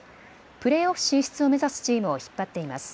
プレーオフ進出を目指すチームを引っ張っています。